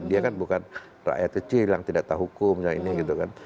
dia kan bukan rakyat kecil yang tidak tahu hukum yang ini gitu kan